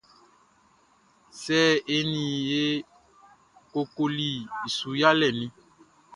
Sɛ e ni i e kokoli su yalɛʼn ni?